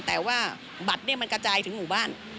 แต่ว่าบัตรเนี่ยมันกระจายถึงหมู่บ้าน